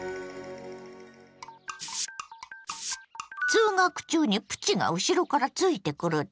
通学中にプチが後ろからついてくるって？